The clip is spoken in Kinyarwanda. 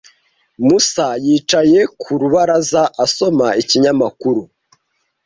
Musa yicaye ku rubaraza asoma ikinyamakuru.